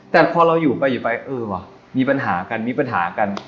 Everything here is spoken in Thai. แต่พอเราอยู่ไปมีปัญหากันมีปัญหากัน